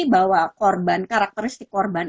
bahwa karakteristik korban